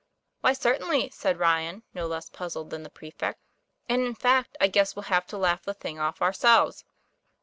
'Why, certainly," said Ryan, no less puzzled than the prefect. ;' And, in fact, I guess we'll have to laugh the thing off ourselves."